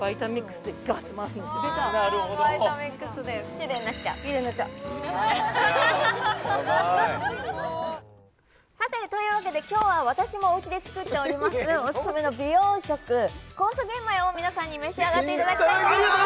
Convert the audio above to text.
キレイになっちゃうさてというわけで今日は私もおうちで作っておりますおすすめの美容食酵素玄米を皆さんに召し上がっていただきたいと思います